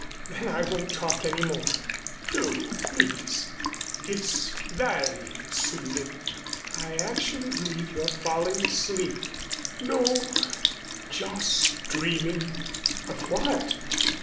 "Then I won't talk any more." "Do, please, it's very soothing." "I actually believe you're falling asleep." "No just dreaming." "Of what?"